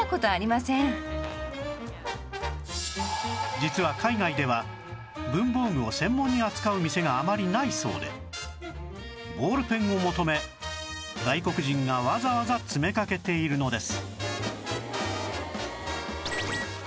実は海外では文房具を専門に扱う店があまりないそうでボールペンを求め外国人がわざわざ詰めかけているのです